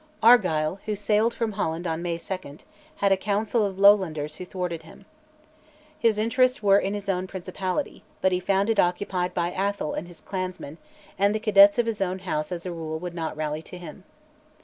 Argyll, who sailed from Holland on May 2, had a council of Lowlanders who thwarted him. His interests were in his own principality, but he found it occupied by Atholl and his clansmen, and the cadets of his own House as a rule would not rally to him.